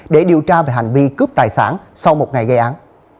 để điều tra về hành vi cướp tài sản sau một ngày gây án